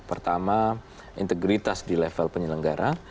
pertama integritas di level penyelenggara